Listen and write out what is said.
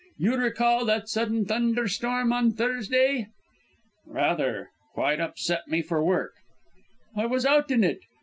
You recall that sudden thunderstorm on Thursday?" "Rather; quite upset me for work." "I was out in it.